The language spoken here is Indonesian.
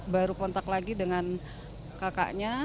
baru kontak lagi dengan kakaknya